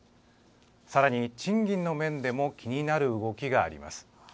さらに、賃金の面でも気になる動きがあります。